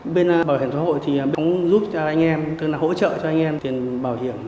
bên bảo hiểm xã hội thì bảo hiểm giúp cho anh em tức là hỗ trợ cho anh em tiền bảo hiểm xã hội